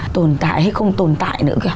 tồn tại hay không tồn tại nữa kìa